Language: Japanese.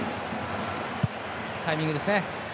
タイミングですね。